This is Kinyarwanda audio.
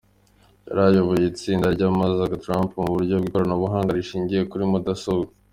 Yari ayoboye itsinda ry'abamamazaga Trump mu buryo bw'ikoranabuhanga rishingiye kuri mudasobwa.